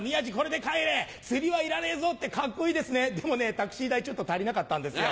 タクシー代ちょっと足りなかったんですよ。